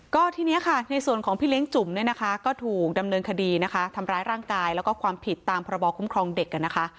ก็ที่นี้ก้าส่วนของพี่เลี้ยงจุ่มถูกดำเนินคดีธรรมดร้ายร่างกายก็ความผิดตามพบคลิปเป็นผู้ปกครองเด็ก